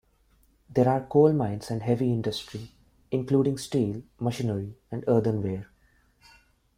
There are coal mines and heavy industry, including steel, machinery, and earthenware.